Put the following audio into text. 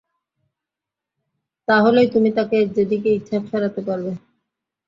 তা হলেই তুমি তাকে যেদিকে ইচ্ছা ফেরাতে পারবে।